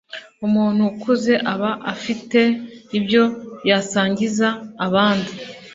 Umuntu ukuze aba afite ibyo yasangiza abandi